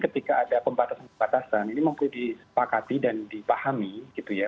ketika ada pembatasan pembatasan ini memang perlu dipakati dan dipahami gitu ya